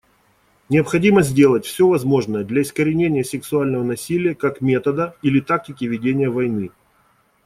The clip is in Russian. Необходимо сделать все возможное для искоренения сексуального насилия как метода или тактики ведения войны.